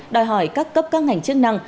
đòi hỏi các cấp các ngành chức năng